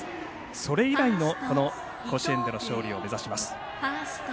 それ以来の甲子園の勝利を目指します。